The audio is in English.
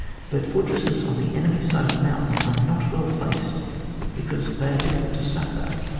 But fortresses on the enemy's side of a mountain are not well placed, because they are difficult to succour.